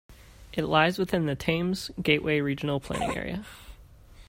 It lies within the Thames Gateway regional planning area.